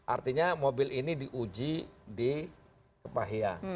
artinya mobil ini diuji di kepahian